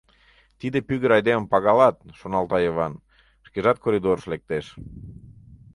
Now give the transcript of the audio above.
«Тиде пӱгыр айдемым пагалат», — шоналта Йыван, шкежат коридорыш лектеш.